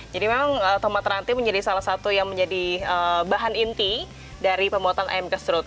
jadi memang tomat rantai menjadi salah satu yang menjadi bahan inti dari pembuatan ayam kesrut